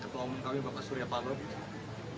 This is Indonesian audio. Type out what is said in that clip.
ketua umum kami bapak surya paloh